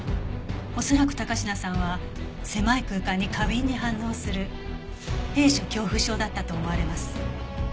恐らく高階さんは狭い空間に過敏に反応する閉所恐怖症だったと思われます。